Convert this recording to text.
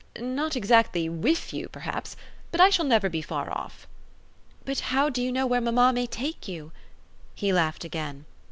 "Not exactly 'with' you perhaps; but I shall never be far off." "But how do you know where mamma may take you?" He laughed again.